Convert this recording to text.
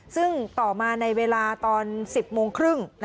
ซึ่งต่อมาในเวลาตอน๑๐โมงครึ่ง